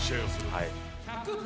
はい。